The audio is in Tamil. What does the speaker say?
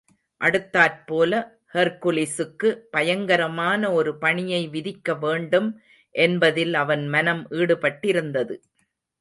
அடுத்தாற்போல ஹெர்குலிஸுக்கு பயங்கரமான ஒரு பணியை விதிக்க வேண்டும் என்பதில் அவன் மனம் ஈடுபட்டிருந்தது.